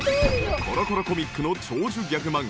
『コロコロコミック』の長寿ギャグ漫画